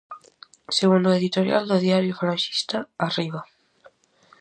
Segundo o editorial do diario falanxista "Arriba":